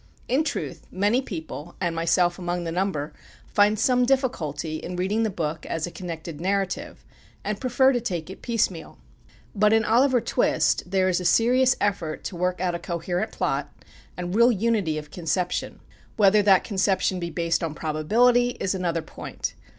In truth, many people, and myself among the number, find some difficulty in reading the book as a connected narrative, and prefer to take it piecemeal. But in "Oliver Twist" there is a serious effort to work out a coherent plot, and real unity of conception. Whether that conception be based on probability, is another point.